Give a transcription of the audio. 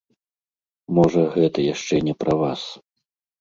Можа, гэта яшчэ не пра вас.